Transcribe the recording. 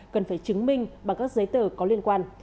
cần phải chứng minh bằng các giấy tờ có liên quan